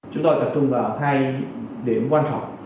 chúng tôi tập trung vào hai điểm quan trọng